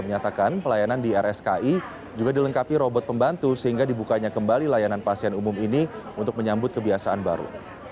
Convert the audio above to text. menyatakan pelayanan di rski juga dilengkapi robot pembantu sehingga dibukanya kembali layanan pasien umum ini untuk menyambut kebiasaan baru